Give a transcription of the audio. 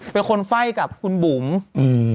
เป็นคนไฟ่กับคุณบุ๋มอืม